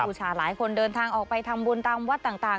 บูชาหลายคนเดินทางออกไปทำบุญตามวัดต่าง